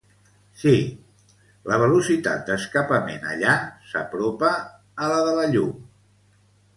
Sí, la velocitat d'escapament allà s'apropa a la de la llum.